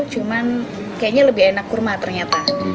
cuman kayaknya lebih enak kurma ternyata